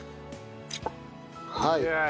はい。